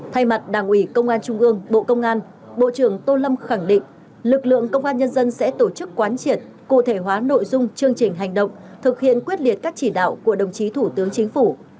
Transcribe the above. thay mặt đảng ủy công an trung ương bộ công an bộ trưởng tô lâm khẳng định lực lượng công an nhân dân sẽ tổ chức quán triệt cụ thể hóa nội dung chương trình hành động thực hiện quyết liệt các chỉ đạo của đồng chí thủ tướng chính phủ